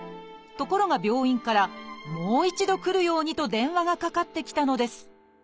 ところが病院から「もう一度来るように」と電話がかかってきたのです。